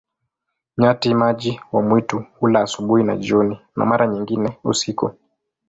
Nyati-maji wa mwitu hula asubuhi na jioni, na mara nyingine usiku.